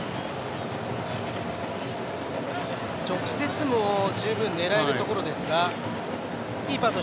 直接も狙えるところです。